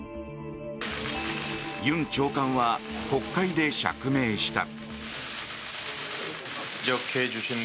ユン長官は国会で釈明した。